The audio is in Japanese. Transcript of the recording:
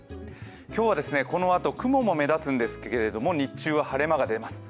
今日はこのあと、雲も目立つんですけれども、日中は晴れ間も出ます。